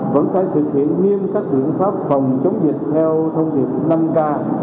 vẫn phải thực hiện nghiêm các biện pháp phòng chống dịch theo thông điệp năm k